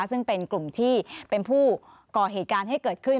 ซึ่งเป็นกลุ่มที่เป็นผู้ก่อเหตุการณ์ให้เกิดขึ้น